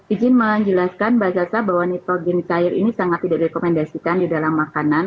ijin menjelaskan mbak zaza bahwa nitrogen cair ini sangat tidak direkomendasikan di dalam makanan